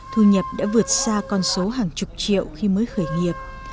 thu nhập đã vượt xa con số hàng chục triệu khi mới khởi nghiệp